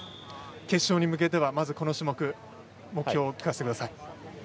決勝に向けては、この種目目標を聞かせてください。